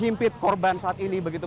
mimpit korban saat ini begitu